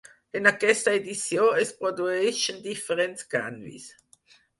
En aquesta edició es produeixen diferents canvis.